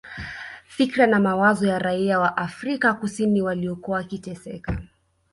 Fikra na mawazo ya raia wa Afrika kusini waliokuwa wakiteseka